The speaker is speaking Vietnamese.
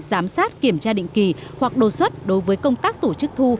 giám sát kiểm tra định kỳ hoặc đồ xuất đối với công tác tổ chức thu